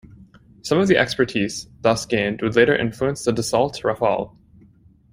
Some of the expertise thus gained would later influence the Dassault Rafale.